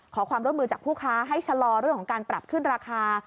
ขอความร่วมมือจากผู้ค้าให้ชะลอเรื่องของการปรับขึ้นราคา